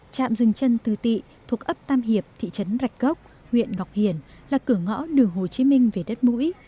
trạm rừng chân tứ tị thuộc ấp tam hiệp thị trấn rạch gốc huyện ngọc hiển là cửa ngõ đường hồ chí minh về đất mũi